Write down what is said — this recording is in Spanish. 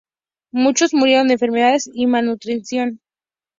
Muchos murieron de enfermedades y malnutrición.